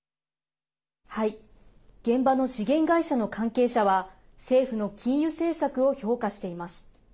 現場の資源会社の関係者は政府の禁輸政策を評価しています。